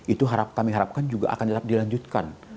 itu kami harapkan juga akan tetap dilanjutkan